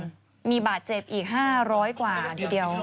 อืมมีบาดเจ็บอีกห้าร้อยกว่าทีเดียว